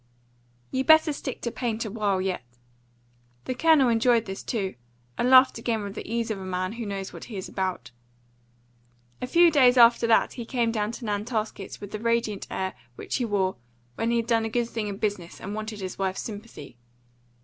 "You better stick to paint a while yet." The Colonel enjoyed this too, and laughed again with the ease of a man who knows what he is about. A few days after that he came down to Nantasket with the radiant air which he wore when he had done a good thing in business and wanted his wife's sympathy.